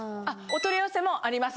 お取り寄せもあります。